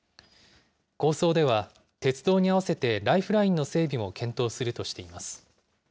構想では、鉄道に合わせてライフラインの整備も検討するとしています。